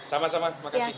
sama sama terima kasih